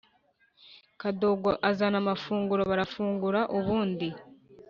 kadogo azana amafunguro barafungura ubundi